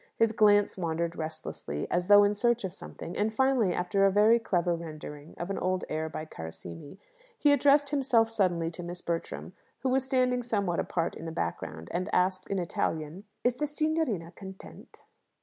His glance wandered restlessly, as though in search of something; and finally, after a very clever rendering of an old air by Carissimi, he addressed himself suddenly to Miss Bertram, who was standing somewhat apart in the background, and asked, in Italian "Is the Signorina content?"